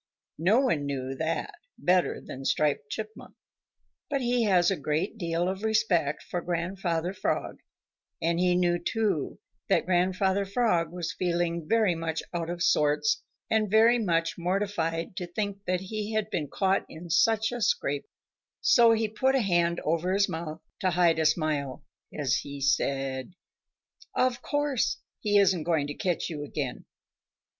No one knew that better than Striped Chipmunk, but he has a great deal of respect for Grandfather Frog, and he knew too that Grandfather Frog was feeling very much out of sorts and very much mortified to think that he had been caught in such a scrape, so he put a hand over his mouth to hide a smile as he said: "Of course he isn't going to catch you again.